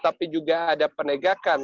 tapi juga ada penegakan